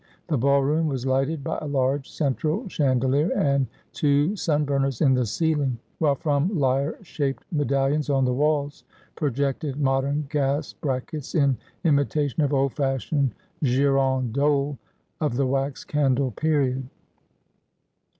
The ball room was lighted by a large central chandelier, and two sun burners in the ceiling ; while from lyre shaped medallions on the walls projected modern gas brackets in imita tion of old fashioned girandoles of the wax candle period.